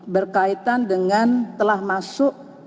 berkaitan dengan telah masuk